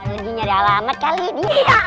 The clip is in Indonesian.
lagi nyadar alamat kali ini